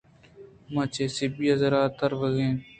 ما چہ سبی ءَ زیارت ءَ روگ ءَ ایں۔